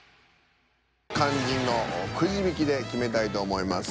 肝心のくじ引きで決めたいと思います。